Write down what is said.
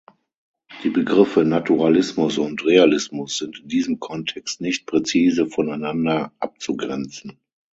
Die Begriffe Naturalismus und Realismus sind in diesem Kontext nicht präzise voneinander abzugrenzen.